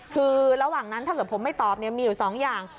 คือระหว่างนั้นถ้าเกิดผมไม่ตอบมีอยู่๒อย่าง